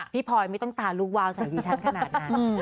พลอยไม่ต้องตาลูกวาวใส่ดิฉันขนาดนั้น